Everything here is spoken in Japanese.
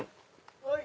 はい。